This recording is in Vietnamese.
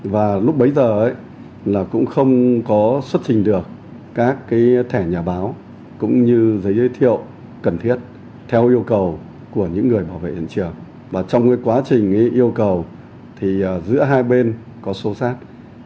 và lúc bấy giờ là cũng không có xuất trình được các thẻ nhà báo cũng như giấy giới thiệu cần thiết theo yêu cầu của những người bảo vệ hiện trường và trong quá trình yêu cầu thì giữa hai bên có sâu sát